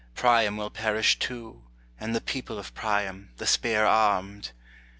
Priam will perish too, and the people of Priam, the spear armed.